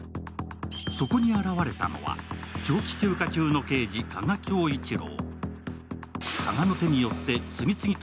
そこに現れたのは長期休暇中の刑事・加賀恭一郎。